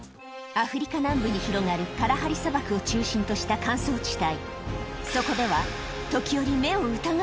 アフリカ南部に広がるカラハリ砂漠を中心とした乾燥地帯